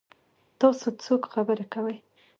تاسو څوک خبرې کوي؟